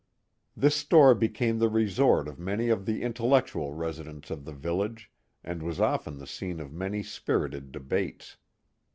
This store became the resort of many of the intellectual residents of the village, and was often the scene of many spirited debates.